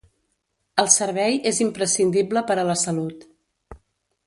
El servei és imprescindible per a la salut.